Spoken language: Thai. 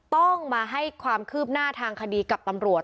ต้องมาให้ความคืบหน้าทางคดีกับตำรวจ